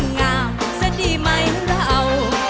งามซะดีไหมเรา